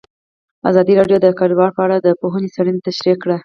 ازادي راډیو د کډوال په اړه د پوهانو څېړنې تشریح کړې.